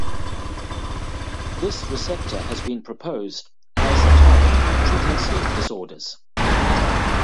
This receptor has been proposed as a target for treating sleep disorders.